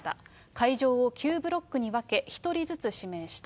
会場を９ブロックに分け、１人ずつ指名した。